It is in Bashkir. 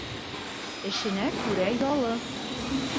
Эшенә күрә ялы.